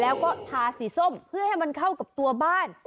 แล้วก็ทาสีส้มเพื่อให้มันเข้ากับตัวบ้าน